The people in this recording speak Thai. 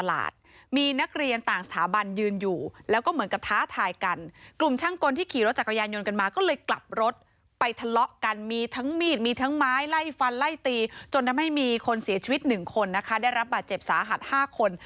ไล่ฟันไล่ตีจนทำให้มีคนเสียชีวิต๑คนได้รับบาดเจ็บสาหัส๕คน